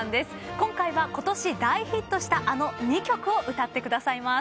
今回はことし大ヒットしたあの２曲を歌ってくださいます。